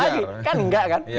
kan tidak kan